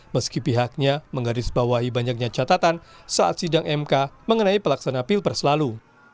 meski pihaknya menggarisbawahi banyaknya catatan saat sidang mk mengenai pelaksana pilpres lalu